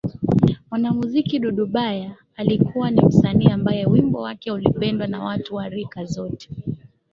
Mwanamuziki Dudubaya alikuwa ni msanii ambaye wimbo wake ulipendwa na watu wa rika zote